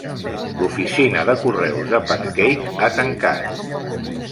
L'oficina de correus de Pancake ha tancat.